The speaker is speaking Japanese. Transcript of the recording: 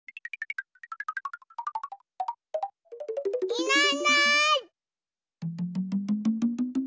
いないいない。